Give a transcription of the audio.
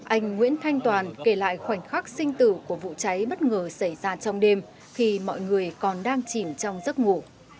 anh nguyễn thanh toàn kể lại khoảnh khắc sinh tử của vụ cháy bất ngờ xảy ra trong đêm khi mọi người còn đang chìm trong giấc ngủ